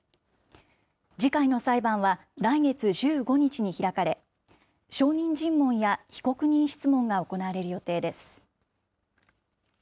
次回の裁判は来月１５日に開かれ、証人尋問や被告人質問が行われる予定です。